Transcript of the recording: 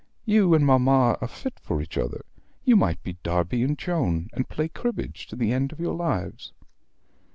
You and mamma are fit for each other. You might be Darby and Joan, and play cribbage to the end of your lives."